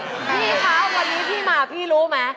พี่คะวันนี้พี่มาพี่รู้ไหม